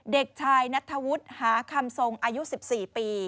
เด็กชายนัทธวุฒิหาคำทรงอายุ๑๔ปี